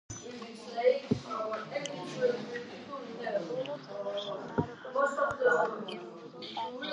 იგი იყო ერთ-ერთი ინიციატორი „თბილისის გიმნაზიის ყვავილის“ და ხელნაწერი ანთოლოგიის გამოცემისა.